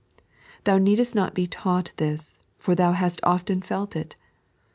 Thou needest not be taught this, for thou hast often felt it.